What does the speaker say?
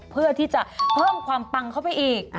เพื่อที่จะเพิ่มความปังเข้าไปอีก